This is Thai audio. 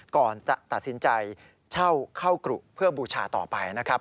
ก่อนจะตัดสินใจเช่าเข้ากรุเพื่อบูชาต่อไปนะครับ